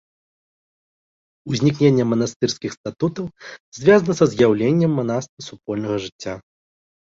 Узнікненне манастырскіх статутаў звязана са з'яўленнем манаства супольнага жыцця.